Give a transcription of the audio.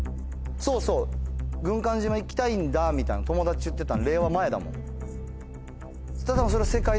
そうそう軍艦島行きたいんだみたいな友達言ってたの令和前だもん。